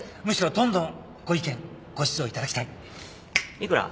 むしろどんどんご意見ご指導いただきたい。